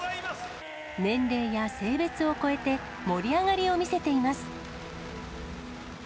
年齢や性別を超えて、盛り上がりを見せています。